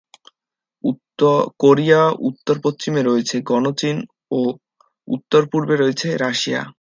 Korea উত্তর-পশ্চিমে রয়েছে গণচীন ও উত্তর-পূর্বে রয়েছে রাশিয়া।